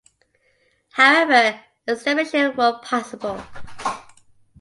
However, estimations were possible.